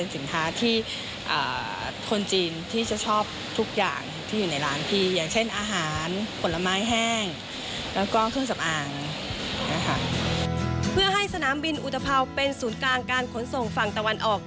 เพื่อให้สนามบินอุตภาวเป็นศูนย์กลางการขนส่งฝั่งตะวันออก